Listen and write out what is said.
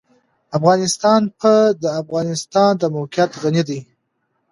افغانستان په د افغانستان د موقعیت غني دی.